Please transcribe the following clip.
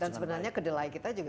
dan sebenarnya kedelai kita juga